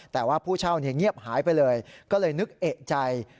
แต่ว่าผู้เช่าเงียบหายไปเลยก็เลยนึกเอกใจ